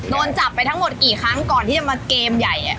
โดนจับไปทั้งหมดกี่ครั้งก่อนที่จะมาเกมใหญ่